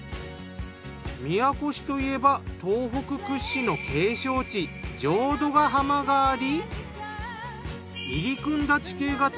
宮古市といえば東北屈指の景勝地浄土ヶ浜があり。